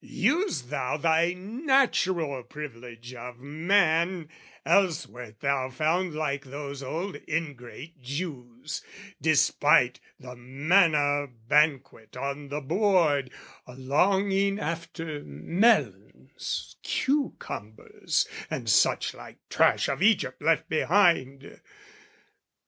"Use thou thy natural privilege of man, "Else wert thou found like those old ingrate Jews, "Despite the manna banquet on the board, "A longing after melons, cucumbers, "And such like trash of Egypt left behind!"